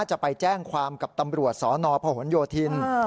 จะไปแจ้งความกับตำรวจสนพหนโยธิน